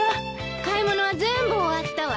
買い物はぜんぶ終わったわ。